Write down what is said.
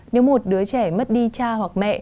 nếu một đứa trẻ mất đi cha hoặc mẹ